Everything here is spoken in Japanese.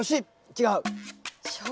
違う？